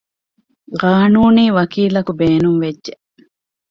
ޤާނޫނީ ވަކީލަކު ބޭނުންވެއްޖެ